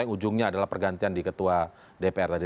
ujungnya adalah pergantian di ketua dpr tadi